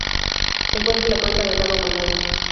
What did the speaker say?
Se encuentra en la cuenca del lago Malawi.